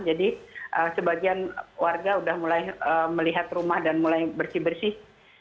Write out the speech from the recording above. jadi sebagian warga sudah mulai melihat rumah dan mulai bersih bersih